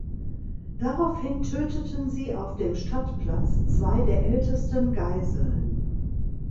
Daraufhin töteten sie auf dem Stadtplatz zwei der ältesten Geiseln.